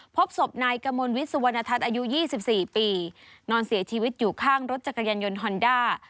พบศพนายกมลวิทย์สุวรรณทัศน์อายุ๒๔ปีนอนเสียชีวิตอยู่ข้างรถจักรยานยนต์ฮอนด้า